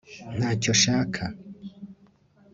ntacyo nshaka